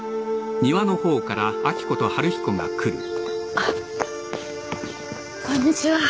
あっこんにちは。